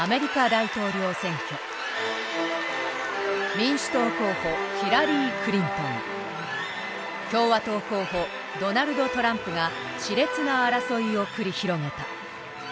民主党候補ヒラリー・クリントン共和党候補ドナルド・トランプが熾烈な争いを繰り広げた。